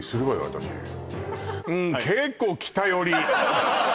私うん結構北寄り